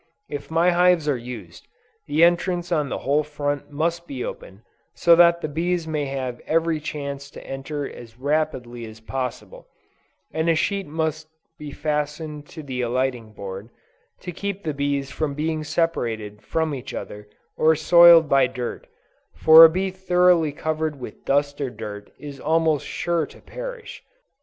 If my hives are used, the entrance on the whole front must be opened, so that the bees may have every chance to enter as rapidly as possible; and a sheet must be fastened to the alighting board, to keep the bees from being separated from each other or soiled by dirt, for a bee thoroughly covered with dust or dirt, is almost sure to perish.